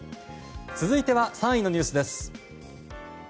続いては、３位のニュースです。